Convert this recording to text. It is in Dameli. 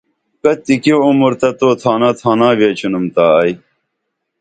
کتِکی عمر تہ تو تھانہ تھانا ویچینُم تا ائی